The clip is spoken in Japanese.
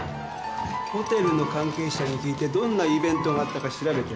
ホテルの関係者に聞いてどんなイベントがあったか調べて。